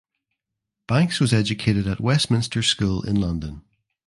Banks was educated at Westminster School in London.